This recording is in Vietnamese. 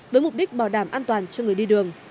với mục đích bảo đảm an toàn cho người đi đường